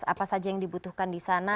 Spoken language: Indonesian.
apa saja yang dibutuhkan di sana